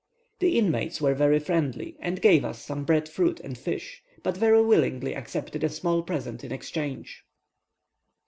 The inmates were very friendly, and gave us some bread fruit and fish, but very willingly accepted a small present in exchange.